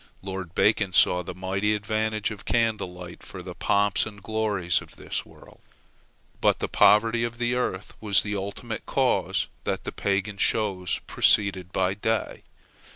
Lord Bacon saw the mighty advantage of candle light for the pomps and glories of this world. But the poverty of the earth was the ultimate cause that the Pagan shows proceeded by day.